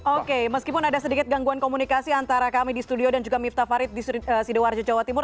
oke meskipun ada sedikit gangguan komunikasi antara kami di studio dan juga miftah farid di sidoarjo jawa timur